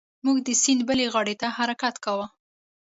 موږ د سیند بلې غاړې ته حرکت کاوه.